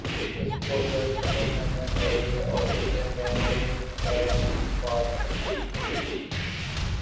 اس کو جلد ختم ہونا چاہیے اور اسی میں ملک کا مفاد ہے۔